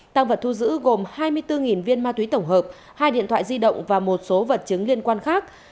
tăng vật thu giữ gồm hai mươi bốn viên ma túy tổng hợp hai điện thoại di động và một số vật chứng liên quan khác